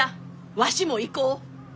わしも行こう。